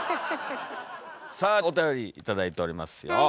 さあおたより頂いておりますよ。